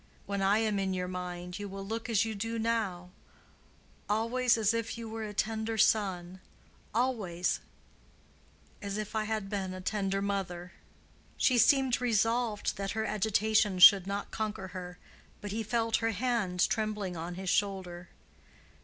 When I am in your mind, you will look as you do now—always as if you were a tender son—always—as if I had been a tender mother." She seemed resolved that her agitation should not conquer her, but he felt her hand trembling on his shoulder.